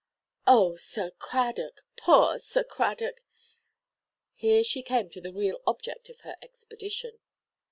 "Oh, Sir Cradock; poor Sir Cradock!" Here she came to the real object of her expedition.